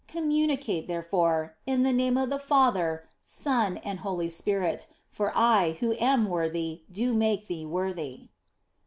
Communicate, therefore, in the name of the Father, Son, and Holy Spirit, for I who am worthy do make thee worthy."